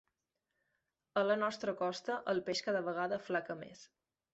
A la nostra costa el peix cada vegada aflaca més.